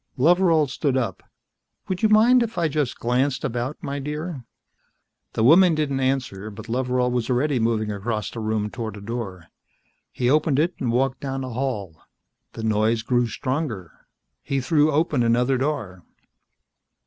Loveral stood up. "Would you mind if I just glanced about, my dear?" The woman didn't answer, but Loveral was already moving across the room toward a door. He opened it and walked down a hall. The noise grew stronger. He threw open another door.